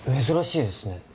珍しいですね。